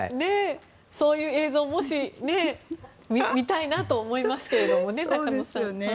そういう映像見たいなと思いますね中野さん。